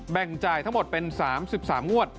จ่ายทั้งหมดเป็น๓๓งวด